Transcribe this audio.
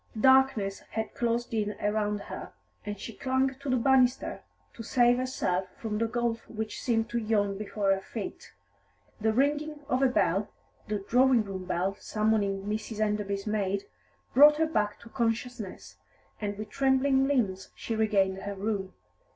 Darkness had closed in around her, and she clung to the banisters to save herself from the gulf which seemed to yawn before her feet. The ringing of a bell, the drawing room bell summoning Mrs. Enderby's maid, brought her back to consciousness, and with trembling limbs she regained her room.